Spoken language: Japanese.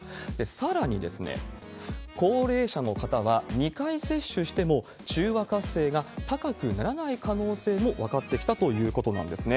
さらにですね、高齢者の方は２回接種しても、中和活性が高くならない可能性も分かってきたということなんですね。